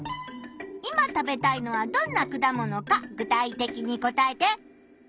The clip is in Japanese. いま食べたいのはどんな果物か具体的に答えて！